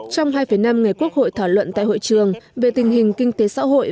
trong hai năm ngày quốc hội thảo luận tại hội trường về tình hình kinh tế xã hội